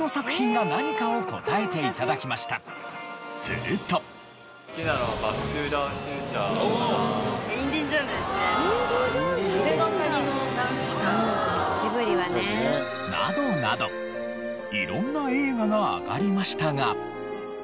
すると。などなど色んな映画が挙がりましたが。